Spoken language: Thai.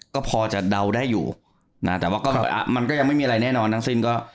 ก็พอจะเดาได้อยู่นะแต่ว่าก็มันก็ยังไม่มีอะไรแน่นอนทั้งสิ้นก็